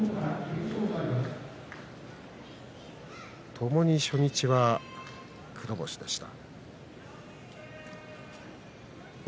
ともに初日は黒星でした。